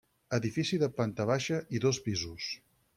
Edifici de planta baixa i dos pisos.